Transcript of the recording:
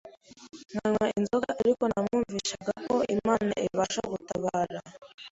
nkanywa inzoga ariko namwumvishagako Imana ibasha gutabara